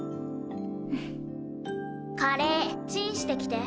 カレーチンしてきて。